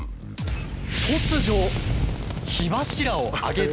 突如火柱を上げて。